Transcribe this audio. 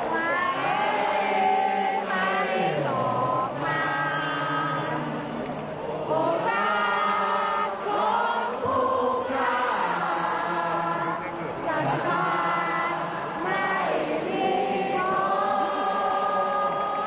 ร่วงตัวสะพานไม่มีโมาค